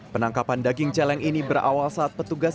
penangkapan daging celeng ini berawal saat petugas